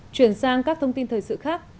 chuyển sang các thông tin thời sự khác